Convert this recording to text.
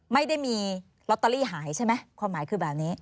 ไม่ได้มีลอตเตอรี่หายใช่ไหมความหมายคือแบบนี้